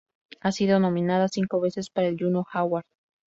Ha sido nominada cinco veces para el Juno Award.